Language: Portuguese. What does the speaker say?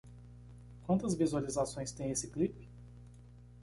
Quantas visualizações tem esse clip?